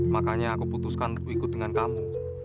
makanya aku putuskan untuk ikut dengan kamu